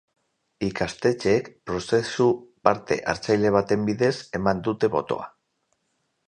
Ikastetxeek prozesu parte-hartzaile baten bidez eman dute botoa.